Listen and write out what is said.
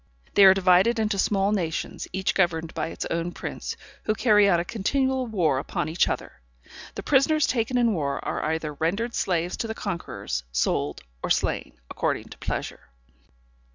They are divided into small nations, each governed by its own prince, who carry on a continual war upon each other. The prisoners taken in war are either rendered slaves to the conquerors, sold, or slain, according to pleasure.